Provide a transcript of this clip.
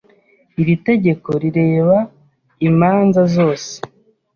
Iri tegeko rireba imanza zose.